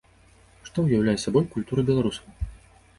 Што ўяўляе сабой культура беларусаў?